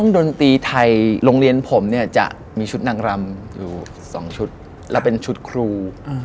ดนตรีไทยโรงเรียนผมเนี่ยจะมีชุดนางรำอยู่๒ชุดแล้วเป็นชุดครู